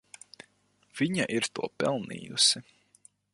Viņa ir to pelnījusi.